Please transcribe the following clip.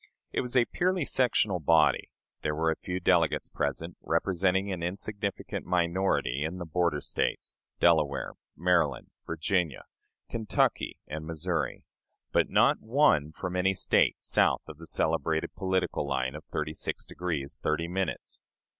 It was a purely sectional body. There were a few delegates present, representing an insignificant minority in the "border States," Delaware, Maryland, Virginia, Kentucky, and Missouri; but not one from any State south of the celebrated political line of thirty six degrees thirty minutes.